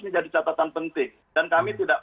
menjadi catatan penting dan kami tidak